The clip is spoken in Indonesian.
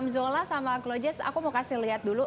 zola sama cloges aku mau kasih lihat dulu